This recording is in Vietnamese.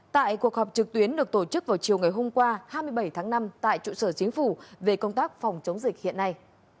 tại cuộc họp trực tuyến được tổ chức vào chiều ngày hôm qua hai mươi bảy tháng năm tại trụ sở chính phủ về công tác phòng chống dịch hiện nay